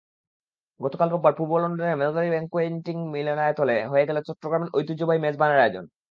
গতকাল রোববার পূর্ব লন্ডনের মালব্যারি ব্যাঙ্কুয়েটিং মিলনায়তনে হয়ে গেল চট্টগ্রামের ঐতিহ্যবাহী মেজবানের আয়োজন।